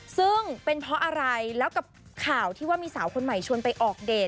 ซึ่งเป็นเพราะอะไรแล้วกับข่าวที่ว่ามีสาวคนใหม่ชวนไปออกเดท